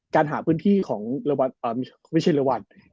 การหาพื้นที่ของระวัดเอ่อเพียงไม่ใช่ระวัด